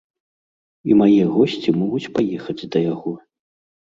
І мае госці могуць паехаць да яго.